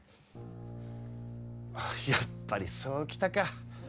やっぱり、そう来たか。